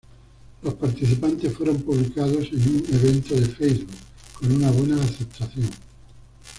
Los participantes fueron publicados en un evento de Facebook con una buena aceptación.